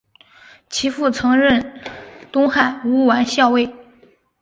其父曾任东汉乌丸校尉。